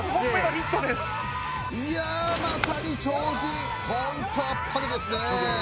これでいやあまさに超人ホントあっぱれですね